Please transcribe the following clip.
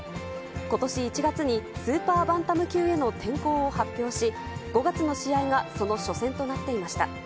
ことし１月にスーパーバンタム級への転向を発表し、５月の試合がその初戦となっていました。